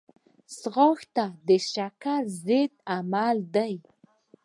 ځغاسته د شکر ضد عمل دی